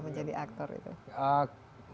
menjadi aktor itu